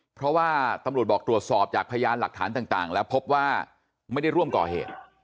เพราะว่าตำรวจบอกตรวจสอบจากพยานหลักฐานต่างแล้วพบว่าไม่ได้ร่วมก่อเหตุ